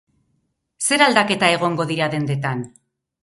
Zer aldaketa egongo dira dendetan?